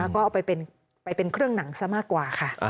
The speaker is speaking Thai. ก็เอาไปเป็นเครื่องหนังซะมากกว่าค่ะ